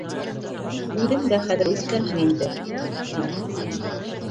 Үҙең дә хәҙер үҫкәнһең инде, — тине.